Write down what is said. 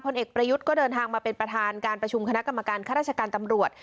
เอกประยุทธ์ก็เดินทางมาเป็นประธานการประชุมคณะกรรมการข้าราชการตำรวจ